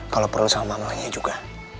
kalau perlu sama mama lainnya juga